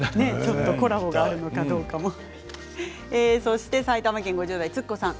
コラボがあるのかどうかもね。